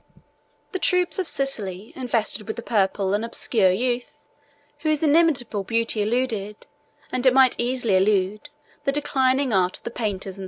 The troops of Sicily invested with the purple an obscure youth, whose inimitable beauty eluded, and it might easily elude, the declining art of the painters and sculptors of the age.